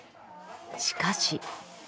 しかし。